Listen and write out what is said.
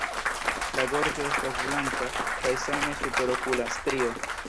La gorĝo estas blanka kaj same superokula strio.